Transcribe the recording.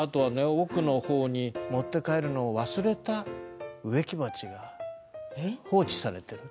奥の方に持って帰るのを忘れた植木鉢が放置されてる。